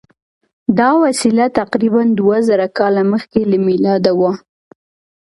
دا وسیله تقریبآ دوه زره کاله مخکې له میلاده وه.